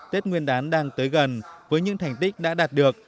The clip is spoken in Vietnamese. tết nguyên đán đang tới gần với những thành tích đã đạt được